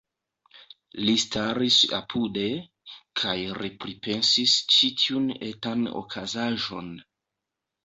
Li staris apude, kaj repripensis ĉi tiun etan okazaĵon.